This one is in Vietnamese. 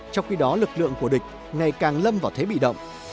trong khi đó lực lượng của địch ngày càng lâm vào thế bị động